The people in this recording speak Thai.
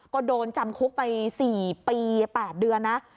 ก็โดนจำคุกไป๔ปี๘เดือนนะ